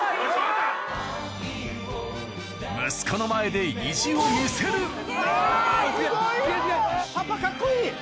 ・息子の前で意地を見せる顔！